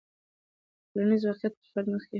ټولنیز واقعیت تر فرد مخکې هم و.